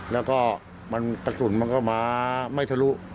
แล้วก็มันกระสุนมันเข้ามาไม่ทะลุ